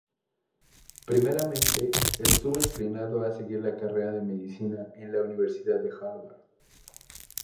Primeramente, estuvo inclinado a seguir la carrera de Medicina en la Universidad de Harvard.